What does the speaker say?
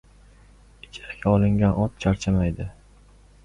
• Ijaraga olingan ot charchamaydi.